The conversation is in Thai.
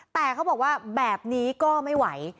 แต่เขาบอกว่าแบบนี้ก็ไม่ไหว